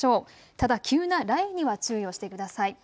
ただ急な雷雨には注意をしてください。